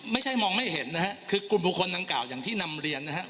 ไม่ใช่มองไม่เห็นนะฮะคือกลุ่มบุคคลดังกล่าวอย่างที่นำเรียนนะครับ